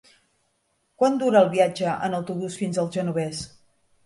Quant dura el viatge en autobús fins al Genovés?